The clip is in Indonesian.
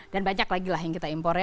dan banyak lagi yang kita impor